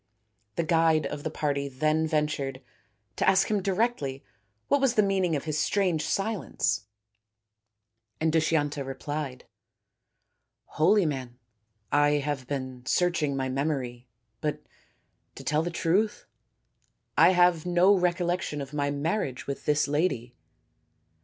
The guide of the party then ventured to ask him directly SAKUNTALA AND DUSHYANTA 235 what was the meaning of his strange silence, and Dushyanta replied :" Holy man, I have been searching my memory, but, to tell the truth, I have no recollection of my marriage with this lady.